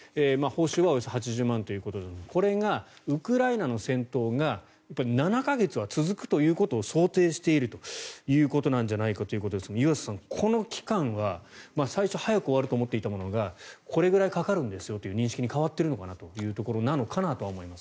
報酬はおよそ８０万ということでこれがウクライナの戦闘が７か月は続くということを想定しているということなんじゃないかということですが湯浅さん、この期間は最初早く終わると思っていたものがこれぐらいかかるんですよという認識に変わっているのかなというところですか。